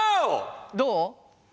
どう？